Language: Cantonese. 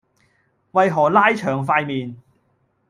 為何拉長塊面